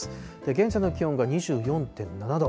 現在の気温が２４．７度。